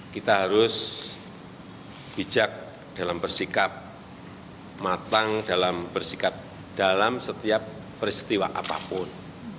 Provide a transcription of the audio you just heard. kita harus bijak dalam bersikap matang dalam bersikap dalam setiap peristiwa apapun